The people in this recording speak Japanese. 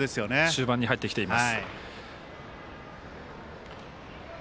中盤に入ってきています。